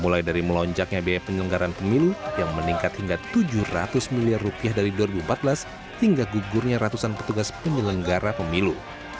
mulai dari melonjaknya biaya penyelenggaran pemilu yang meningkat hingga tujuh ratus miliar rupiah dari dua ribu empat belas hingga gugurnya ratusan petugas penyelenggara pemilu